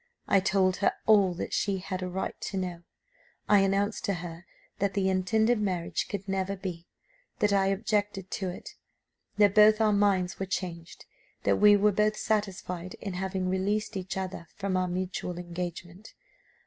I told her all that she had a right to know. I announced to her that the intended marriage could never be that I objected to it; that both our minds were changed; that we were both satisfied in having released each other from our mutual engagement.